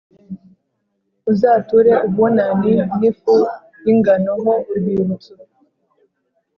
Uzature ububani, n’ifu y’ingano ho urwibutso,